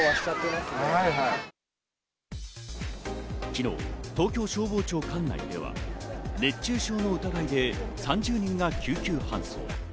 昨日、東京消防庁管内では熱中症の疑いで３０人が救急搬送。